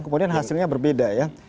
kemudian hasilnya berbeda ya